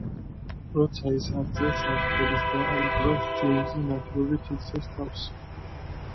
როცა ის არ წერს, არ მღერის და არ უკრავს, ჯეიმზი ნადირობით იქცევს თავს.